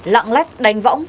lạng lách đánh võng